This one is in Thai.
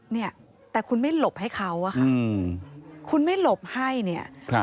เนี่ยแต่คุณไม่หลบให้เขาอะค่ะคุณไม่หลบให้เนี่ย